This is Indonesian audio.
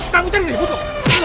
kamu cari riri but loh